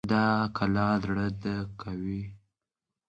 دا کلا زړه ده خو قوي ده